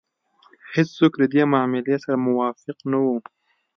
هېڅوک له دې معاملې سره موافق نه وو.